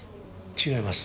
違います。